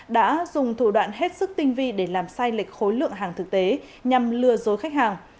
đã dùng thủ đoạn hết sức tinh vi để làm sai lệch khối lượng hàng thực tế nhằm lừa dối khách hàng